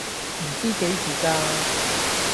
唔知幾時㗎